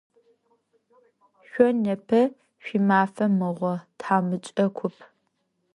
Шъо непэ шъуимафэ мыгъо, тхьамыкӏэ куп!